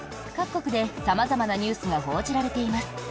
各国で様々なニュースが報じられています。